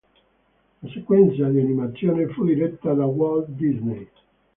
La sequenza di animazione fu diretta da Walt Disney.